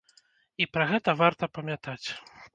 І пра гэта варта памятаць.